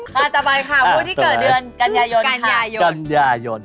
ต่อไปเพราะที่เกิดเวลากัญญาโยน